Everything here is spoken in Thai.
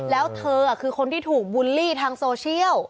แล้วเธอคือคนที่ถูกบูลลี่ทางโซเชียล